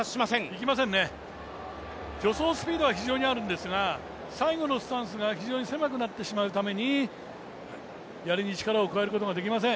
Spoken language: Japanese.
いきませんね、助走スピードは非常にあるんですが、最後のスタンスが非常に狭くなってしまうために、やりに力を加えることができません。